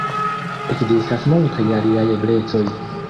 Ekzistas multaj aliaj eblecoj.